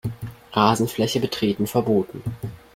Rasenfläche betreten verboten.